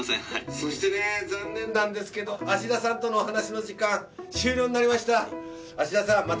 はいそしてね残念なんですけど芦田さんとのお話の時間終了になりました芦田さん